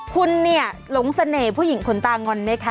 คุณเนี่ยหลงเสน่ห์ผู้หญิงขนตางอนไหมคะ